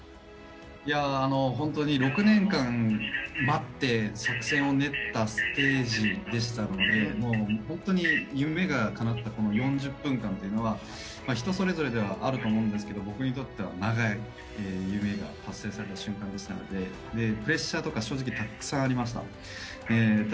本当に、６年間待って作戦を練ったステージでしたのでもう本当に夢がかなった、この４０分間というのは人それぞれではあると思うんですけど僕にとっては長い夢が達成できた瞬間でしたのでプレッシャーとか正直たっくさんありました。